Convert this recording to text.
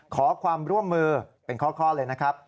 ขอความร่วมมือเป็นข้อเลยนะครับ